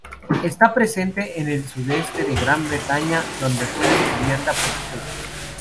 Está presente en el sudeste de Gran Bretaña, donde fue descubierta por St.